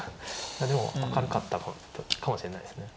でも明るかったかもしれないです。